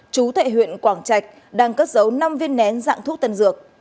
chú thệ huyện quảng trạch đang cất giấu năm viên nén dạng thuốc tân dược